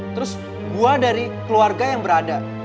terus dua dari keluarga yang berada